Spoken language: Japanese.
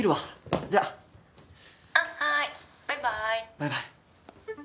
バイバイ。